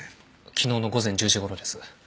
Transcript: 昨日の午前１０時ごろです。